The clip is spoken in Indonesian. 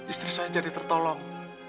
istri saya jadi tertolong